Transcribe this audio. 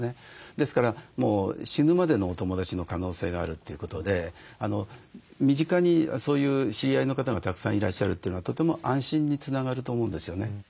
ですから死ぬまでのお友だちの可能性があるということで身近にそういう知り合いの方がたくさんいらっしゃるというのはとても安心につながると思うんですよね。